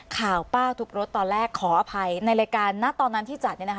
ข่าวป้าทุบรถตอนแรกขออภัยในรายการณตอนนั้นที่จัดเนี่ยนะคะ